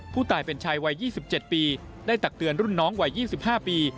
ผู้ตายเป็นชายวัย๒๗ปีได้ตักเตือนรุ่นน้องวัย๒๕ปี